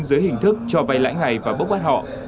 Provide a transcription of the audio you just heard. dưới hình thức cho vay lãi ngày và bốc bắt họ